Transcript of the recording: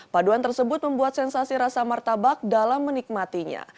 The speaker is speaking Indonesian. paduan tersebut membuat sensasi rasa martabak dalam menikmatinya